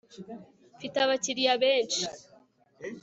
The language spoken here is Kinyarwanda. mfite abakiriya benshi